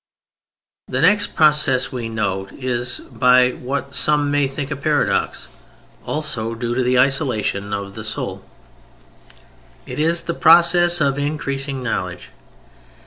The next process we note is—by what some may think a paradox—also due to the isolation of the soul. It is the process of increasing knowledge.